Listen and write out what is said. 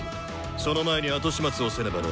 その前に後始末をせねばな。